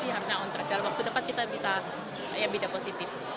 harusnya on track dalam waktu dekat kita bisa beda positif